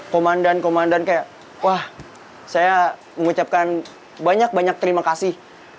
komandan komandan kayak wah saya mengucapkan banyak banyak terima kasih